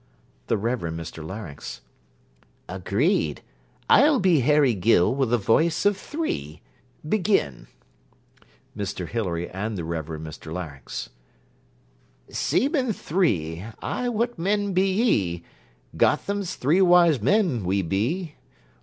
THE REVEREND MR LARYNX Agreed. I'll be Harry Gill, with the voice of three. Begin MR HILARY AND THE REVEREND MR LARYNX Seamen three! I What men be ye? Gotham's three wise men we be.